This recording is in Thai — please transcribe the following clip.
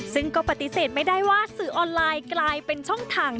ซึ่งก็ปฏิเสธไม่ได้ว่าสื่อออนไลน์กลายเป็นช่องทาง